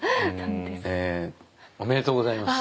おめでとうございます。